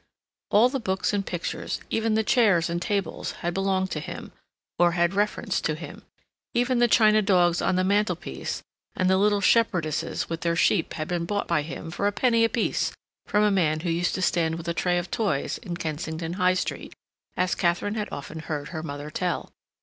All the books and pictures, even the chairs and tables, had belonged to him, or had reference to him; even the china dogs on the mantelpiece and the little shepherdesses with their sheep had been bought by him for a penny a piece from a man who used to stand with a tray of toys in Kensington High Street, as Katharine had often heard her mother tell.